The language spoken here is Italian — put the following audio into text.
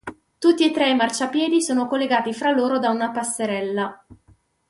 Tutti e tre i marciapiedi sono collegati fra loro da una passerella.